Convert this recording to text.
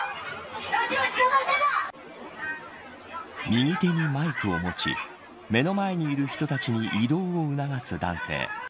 右手にマイクを持ち目の前にいる人たちに移動を促す男性。